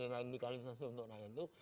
radikalisasi untuk rakyat itu